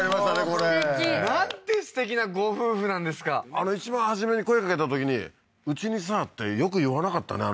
これなんてすてきなご夫婦なんですかあの一番初めに声かけたときにうちにさってよく言わなかったね